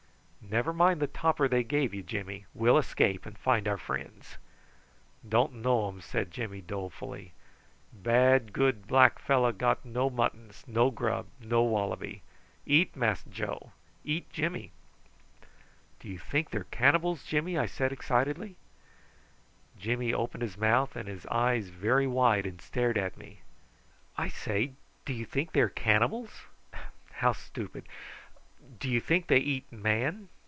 "Never mind the topper they gave you, Jimmy. We'll escape and find our friends." "Don't know um," said Jimmy dolefully. "Bad good black fellow got no muttons no grub no wallaby. Eat Mass Joe eat Jimmy." "Do you think they are cannibals, Jimmy?" I said excitedly. Jimmy opened his mouth and his eyes very wide and stared at me. "I say, do you think they are cannibals? How stupid! Do you think they eat man?"